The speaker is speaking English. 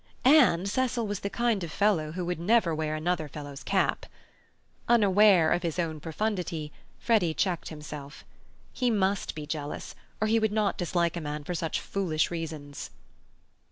And Cecil was the kind of fellow who would never wear another fellow's cap. Unaware of his own profundity, Freddy checked himself. He must be jealous, or he would not dislike a man for such foolish reasons.